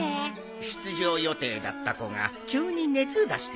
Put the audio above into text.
出場予定だった子が急に熱出してね。